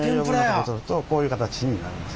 こういう形になります。